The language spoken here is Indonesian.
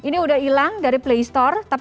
tapi ini sudah hilang dari playstore tapi ganti nama